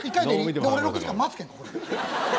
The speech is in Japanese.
俺、６時間待つけん、ここで。